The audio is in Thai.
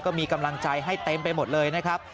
ก็มีกำลังใจให้เต็มไปหมดเลยนะครับ